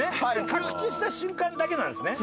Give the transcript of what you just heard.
着地した瞬間だけなんですね。